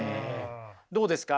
どうですか？